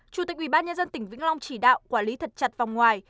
chủ tịch ubnd tỉnh vĩnh long chỉ đạo quản lý thật chặt vòng ngoài